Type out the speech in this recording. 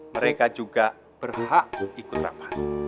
mereka juga berhak ikut ramah